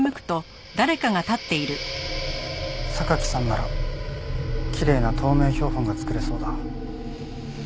榊さんならきれいな透明標本が作れそうだ。